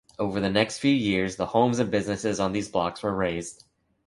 Over the next few years, the homes and businesses on these blocks were razed.